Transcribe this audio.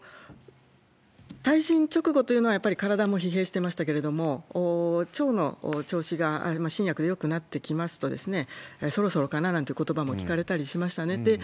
退陣直後というのはやっぱり体も疲弊してましたけれども、腸の調子が新薬でよくなってきますとですね、そろそろかななんてことばも聞かれたりしましたね。